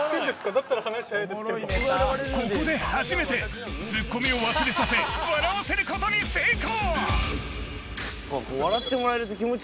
だったら話早いですけどここで初めてツッコミを忘れさせ笑わせることに成功